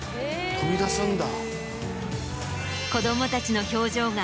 飛び出すんだ。